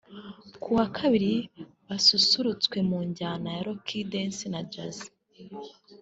kuwa Kabiri basusurutswe mu njyana ya Rock ndetse na Jazz